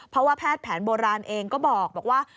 เพราะว่าแพทย์แผนโบราณเองก็บอกว่า